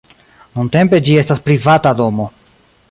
Nuntempe ĝi estas privata domo.